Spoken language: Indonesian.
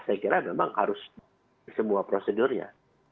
saya kira memang harus semua prosedurnya